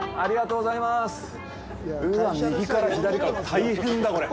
うわぁ、右から、左から、大変だ、これ！